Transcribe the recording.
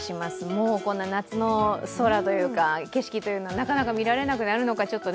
もう夏の空というか、景色というのはなかなか見られなくなるのか。